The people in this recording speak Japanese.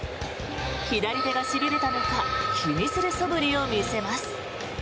左手がしびれたのか気にするそぶりを見せます。